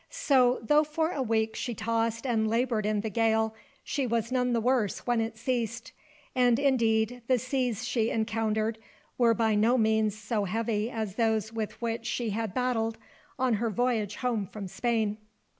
So, though for a week she tossed and labored in the gale, she was none the worse when it ceased; and indeed, the seas she encountered were by no means so heavy as those with which she had battled, on her voyage home from Spain.